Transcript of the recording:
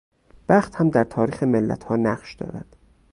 بخت هم در تاریخ ملتها نقش دارد.